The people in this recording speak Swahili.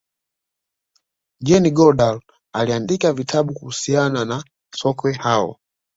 jane goodal aliandika vitabu kuhusiana na sokwe hao